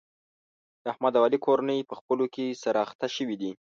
د احمد او علي کورنۍ په خپلو کې سره اخته شوې دي.